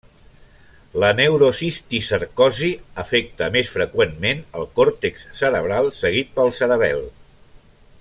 La neurocisticercosi afecta més freqüentment el còrtex cerebral seguit pel cerebel.